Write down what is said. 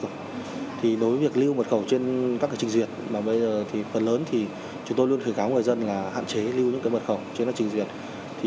đối với việc lưu mật khẩu trên các trình duyệt phần lớn chúng tôi luôn khuyến kháo người dân là hạn chế lưu những mật khẩu trên trình duyệt